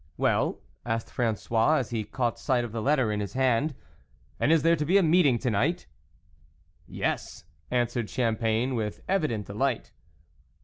" Well," asked Franfois, as he caught sight of the letter in his hand, "and is there to be a meeting to night ?"" Yes," answered Champagne, with evident delight.